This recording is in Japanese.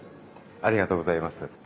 ありがとうございます。